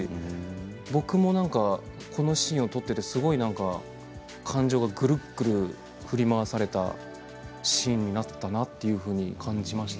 僕は、このシーンを撮っていてすごいなんか感情がぐるぐる振り回されたシーンになったなと感じました。